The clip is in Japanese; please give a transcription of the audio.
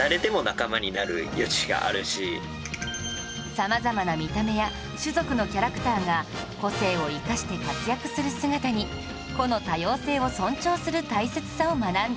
様々な見た目や種族のキャラクターが個性を生かして活躍する姿に個の多様性を尊重する大切さを学んでいました